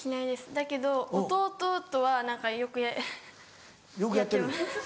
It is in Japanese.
だけど弟とは何かよくやってます。